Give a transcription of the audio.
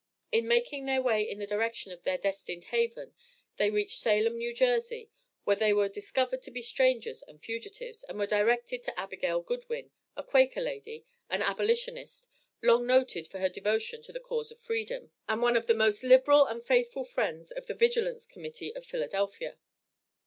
In making their way in the direction of their destined haven, they reached Salem, New Jersey, where they were discovered to be strangers and fugitives, and were directed to Abigail Goodwin, a Quaker lady, an abolitionist, long noted for her devotion to the cause of freedom, and one of the most liberal and faithful friends of the Vigilance Committee of Philadelphia.